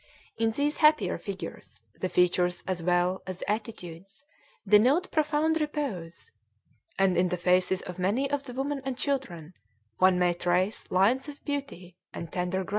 In these happier figures the features as well as the attitudes denote profound repose, and in the faces of many of the women and children one may trace lines of beauty and tender grace.